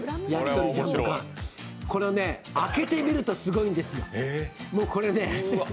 これ開けてみるとすごいんですよ。